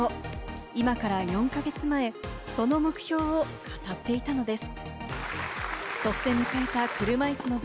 今から４か月前、その目標を語っていたのです。